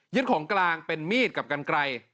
ของกลางเป็นมีดกับกันไกล